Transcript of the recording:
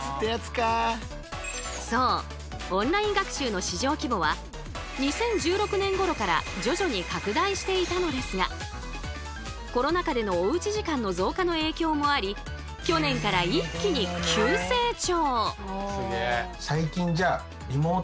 オンライン学習の市場規模は２０１６年ごろから徐々に拡大していたのですがコロナ禍でのおうち時間の増加の影響もあり去年から一気に急成長！